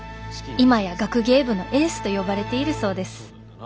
今や学芸部のエースと呼ばれているそうです」。